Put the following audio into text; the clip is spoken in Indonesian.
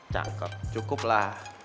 cakep cukup lah